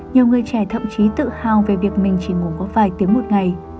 nhiều người trẻ thậm chí tự hào về việc mình chỉ ngủ có vài tiếng một ngày